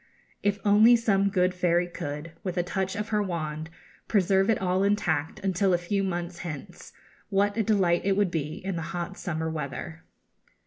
If only some good fairy could, with a touch of her wand, preserve it all intact until a few months hence, what a delight it would be in the hot summer weather!